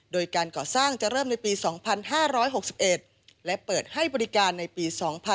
โดยการก่อสร้างจะเริ่มในปี๒๕๖๑และเปิดให้บริการในปี๒๕๖๒